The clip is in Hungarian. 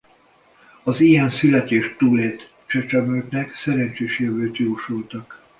Az ilyen születést túlélt csecsemőknek szerencsés jövőt jósoltak.